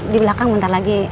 di belakang bentar lagi